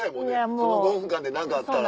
その５分間で何かあったら。